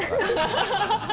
ハハハ